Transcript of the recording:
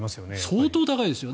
相当高いですよ。